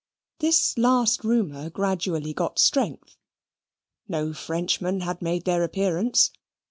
This last rumour gradually got strength. No Frenchmen had made their appearance.